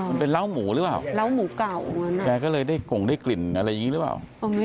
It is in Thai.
จะเป็นเหล้าหมูหรือหว่าเคก็เลยได้คนคงได้กลิ่นหรือหว่า